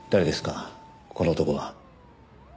この男は。